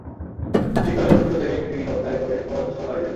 ঠিক করেন তুরস্ক থেকে একটি ডিঙি নৌকায় করে ভূমধ্যসাগর পাড়ি দেবেন।